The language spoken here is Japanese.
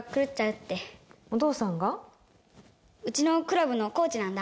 うちのクラブのコーチなんだ。